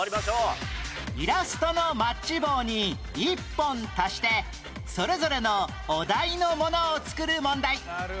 イラストのマッチ棒に１本足してそれぞれのお題のものを作る問題